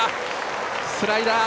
スライダー。